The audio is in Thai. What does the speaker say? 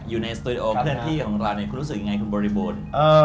สตูดิโอเคลื่อนที่ของเราเนี่ยคุณรู้สึกยังไงคุณบริบูรณ์